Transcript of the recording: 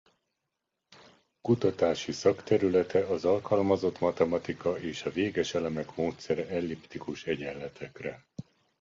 Kutatási szakterülete az alkalmazott matematika és a véges elemek módszere elliptikus egyenletekre.